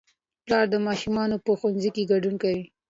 پلار د ماشومانو په ښوونځي کې ګډون کوي